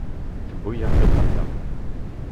Tewwi-aɣ tiṭ-nneɣ.